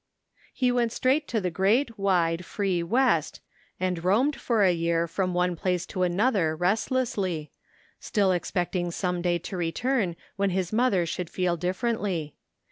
He went straight to the great, wide, free west, and roamed for a year from one place to another rest lessly, still expecting some day to return when his mother should feel differently.